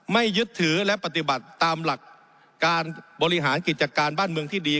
ยึดถือและปฏิบัติตามหลักการบริหารกิจการบ้านเมืองที่ดี